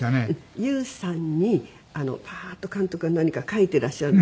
ＹＯＵさんにパーッと監督が何か書いてらっしゃるんですよ